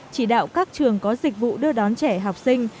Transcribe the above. chỉ đạo các trường có dịch vụ đưa đón trẻ học sinh